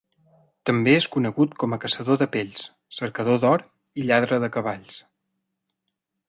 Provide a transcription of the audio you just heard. També és conegut com a caçador de pells, cercador d'or i lladre de cavalls.